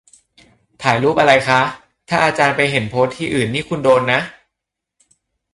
"ถ่ายรูปอะไรคะ" "ถ้าอาจารย์ไปเห็นโพสต์ที่อื่นนี่คุณโดนนะ"